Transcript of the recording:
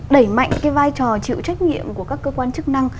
đẩy mạnh cái vai trò chịu trách nhiệm của các cơ quan chức năng